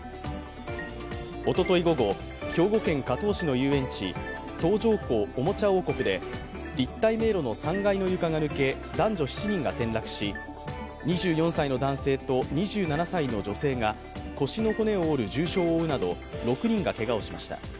おととい午後、兵庫県加東市の遊園地、東条湖おもちゃ王国で立体迷路の３階の床が抜け、男女７人が転落し、２４歳の男性と２７歳の女性が腰の骨を折る重傷を負うなど、６人がけがをしました。